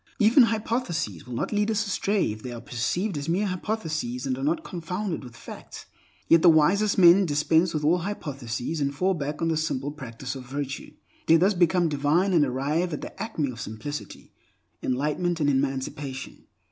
Even hypotheses will not lead us astray if they are perceived as mere hypotheses and are not confounded with facts. Yet the wisest men dispense with all hypotheses, and fall back on the simple practice of virtue. They thus become divine, and arrive at the acme of simplicity, enlightenment, and emancipation.